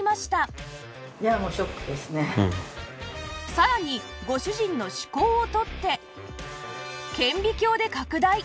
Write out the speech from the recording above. さらにご主人の歯垢を取って顕微鏡で拡大